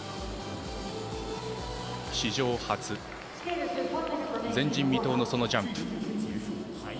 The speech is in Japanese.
史上初、前人未到のそのジャンプ。